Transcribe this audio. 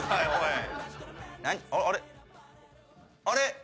あれ？